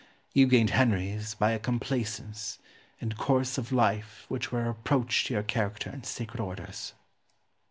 You gained Henry's by a complaisance and course of life which were a reproach to your character and sacred orders.